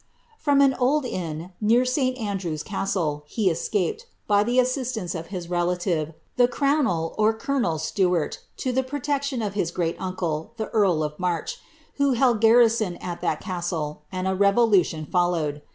From an old inn, near St. Andrew's Castle, he escaped, by the assistance of his relative, the crowul or colonel Stu* art, to the protection of his great uncle, the earl of March, who held garrison at that castle; and a revolution followed.